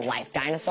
そう。